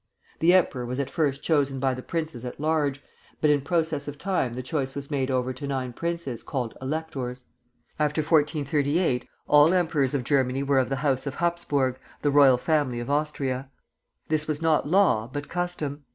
The emperor was at first chosen by the princes at large, but in process of time the choice was made over to nine princes, called electors. After 1438, all emperors of Germany were of the house of Hapsburg, the royal family of Austria. This was not law, but custom.